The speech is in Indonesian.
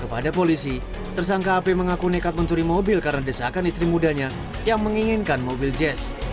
kepada polisi tersangka ap mengaku nekat mencuri mobil karena desakan istri mudanya yang menginginkan mobil jazz